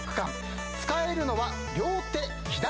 使えるのは。